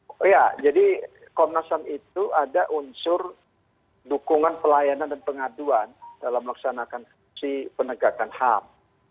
oh ya jadi komnasan itu ada unsur dukungan pelayanan dan pengaduan dalam melaksanakan penegakan ham